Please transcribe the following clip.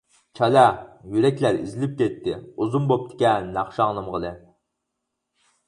-چالە، يۈرەكلەر ئېزىلىپ كەتتى، ئۇزۇن بوپتىكەن ناخشا ئاڭلىمىغىلى.